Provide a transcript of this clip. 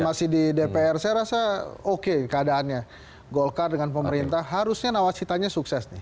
masih di dpr saya rasa oke keadaannya golkar dengan pemerintah harusnya nawas hitanya sukses